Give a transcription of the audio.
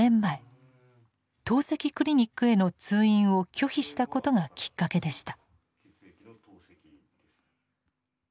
透析クリニックへの通院を拒否したことがきっかけでした。